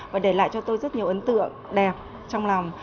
và để lại cho tôi rất nhiều ấn tượng đẹp trong lòng